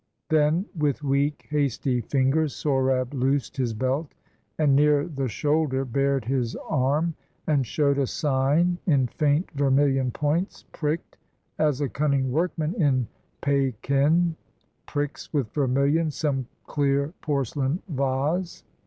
Then, with weak hasty fingers, Sohrab loos'd His belt, and near the shoulder bar'd his arm, And show'd a sign in faint vermilion points Prick'd: as a cunning workman, in Pekin, Pricks with vermilion some clear porcelain vase.